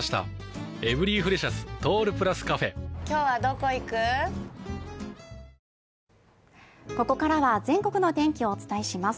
ここからは全国の天気をお伝えします。